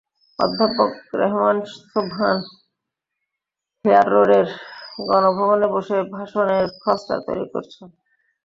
অধ্যাপক রেহমান সোবহান হেয়ার রোডের গণভবনে বসে ভাষণের খসড়া তৈরি করছেন।